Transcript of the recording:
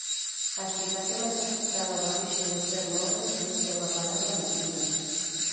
A explicación máis aceptada da orixe do termo hórreo remite a unha palabra latina.